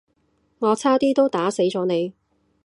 我差啲都打死咗你